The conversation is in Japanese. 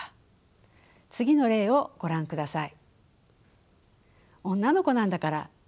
次の例をご覧ください。